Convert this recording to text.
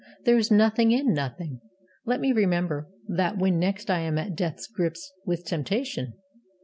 There is nothing in Nothing. Let me remember that when next I am at death grips with temptation!